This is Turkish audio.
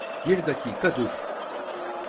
Bir dakika dur.